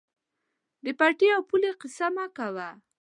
د پټي او پولې قیصه مه کوه.